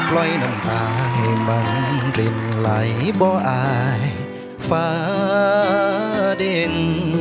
ลอยน้ำตาให้บังรินไหลบ่ออายฟ้าดิน